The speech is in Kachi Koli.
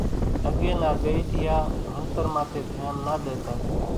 اڳيَ نا ڳئيڍيا ڀڻتر ماٿيَ ڌيانَ نا ۮيتا۔